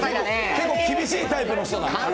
結構厳しいタイプの人だ。